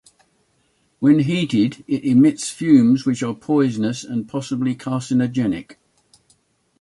When heated, it emits fumes which are poisonous and possibly carcinogenic.